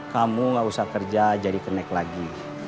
kamu gak usah kerja jadi kenek lagi